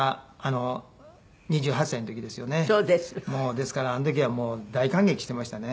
ですからあの時はもう大感激していましたね。